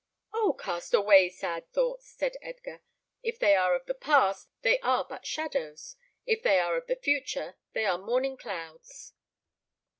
"Oh! cast away sad thoughts," said Edgar; "if they are of the past, they are but shadows; if they are of the future, they are morning clouds."